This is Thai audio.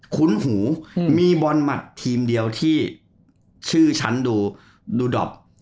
คุ้นหูมีบอลหมัดทีมเดียวที่ชื่อฉันดูดูดอป